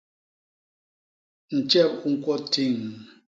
Ntjep u ñkwo tiññ.